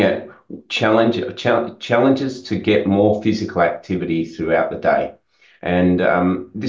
dan mencari cabaran untuk mendapatkan aktivitas fizikal yang lebih banyak sepanjang hari